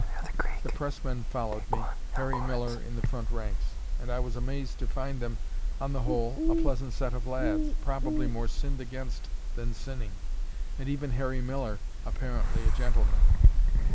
The pressmen followed me, Harry Miller in the front ranks; and I was amazed to find them, on the whole, a pleasant set of lads, probably more sinned against than sinning, and even Harry Miller apparently a gentleman.